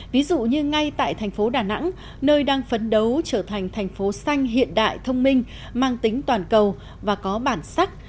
ví dụ như ngay tại thành phố đà nẵng nơi đang phấn đấu trở thành thành phố xanh hiện đại thông minh mang tính toàn cầu và có bản sắc